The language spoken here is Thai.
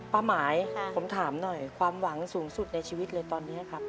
ป้าหมายผมถามหน่อยความหวังสูงสุดในชีวิตเลยตอนนี้ครับ